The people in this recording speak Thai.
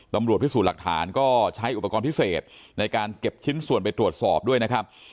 ตำรวจพิสูจน์หลักฐานก็ใช้อุปกรณ์พิเศษในการเก็บชิ้นส่วนไปตรวจสอบด้วยนะครับ